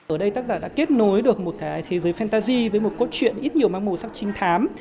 ở đây tác giả đã kết nối được một cái thế giới fentagy với một câu chuyện ít nhiều mang màu sắc trinh thám